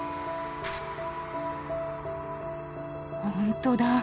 ほんとだ。